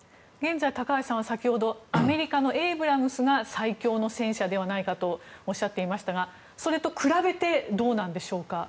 高橋さんは先ほどアメリカのエイブラムスが最強の戦車ではないかとおっしゃっていましたがそれと比べてどうなんでしょうか。